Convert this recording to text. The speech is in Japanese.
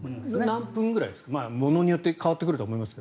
何分ぐらいですか物によって変わってくると思いますが。